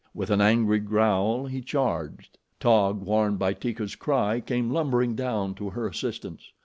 With an angry growl, he charged. Taug, warned by Teeka's cry, came lumbering down to her assistance.